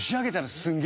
すげえ。